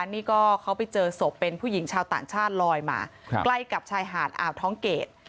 นี่ก็เขาไปเจอศพเป็นผู้หญิงชาวต่างชาติลอยมาใกล้กับชายหาดอ่าวท้องเกด